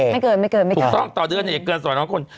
ไม่เกินไม่เกินถูกต้องต่อเดือนอย่าเกิน๒๐๐คน